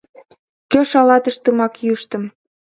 Кӧ шалатыш тымык йӱштым.